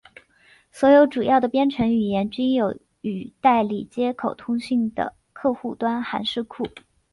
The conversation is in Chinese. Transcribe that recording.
所有主要的编程语言均有与代理接口通讯的客户端函式库。